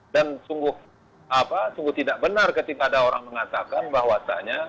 dan sungguh apa sungguh tidak benar ketika ada orang mengatakan bahwasanya